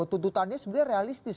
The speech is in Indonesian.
tuntutannya sebenarnya realistis